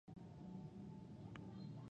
واقعيت چې ګزاره کول ډېره ستونزمن کار دى .